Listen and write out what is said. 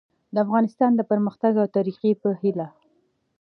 د افغانستان د پرمختګ او ترقي په هیله